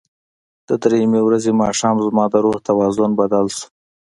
د درېیمې ورځې ماښام زما د روح توازن بدل شو.